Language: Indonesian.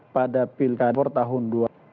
pada pilihan dukur tahun dua ribu dua puluh